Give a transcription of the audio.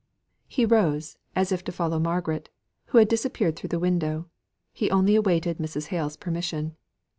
He rose, as if to follow Margaret, who had disappeared through the window: he only awaited Mrs. Hale's permission.